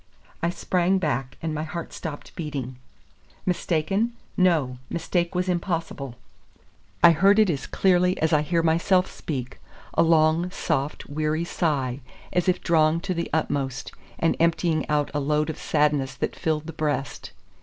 I sprang back, and my heart stopped beating. Mistaken! no, mistake was impossible. I heard it as clearly as I hear myself speak; a long, soft, weary sigh, as if drawn to the utmost, and emptying out a load of sadness that filled the breast.